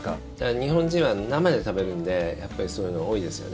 日本人は生で食べるのでそういうのが多いですよね。